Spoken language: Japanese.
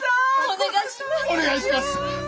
お願いします！